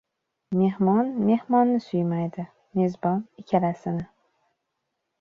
• Mehmon mehmonni suymaydi, mezbon ― ikkalasini.